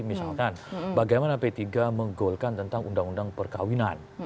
misalkan bagaimana p tiga menggolkan tentang undang undang perkawinan